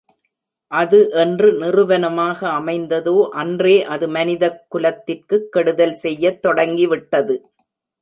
அது என்று நிறுவனமாக அமைந்ததோ அன்றே அது மனிதக் குலத்திற்குக் கெடுதல் செய்யத் தொடங்கிவிட்டது.